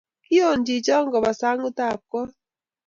kion chicho koba sang'utab koot.